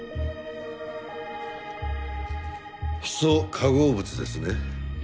ヒ素化合物ですね？